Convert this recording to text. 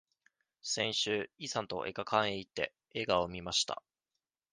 先週、イさんと映画館へ行って、映画を見ました。